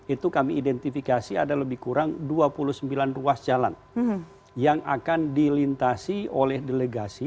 itu kami identifikasi ada lebih kurang dua puluh sembilan ruas jalan yang akan dilintasi oleh delegasi